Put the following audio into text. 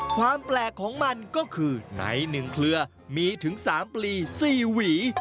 ความแปลกของมันก็คือใน๑เครือมีถึง๓ปลี๔หวี